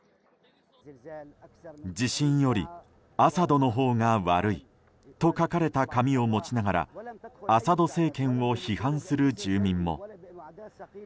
地震よりアサドのほうが悪いと、書かれた紙を持ちながらアサド政権を批判する住民も。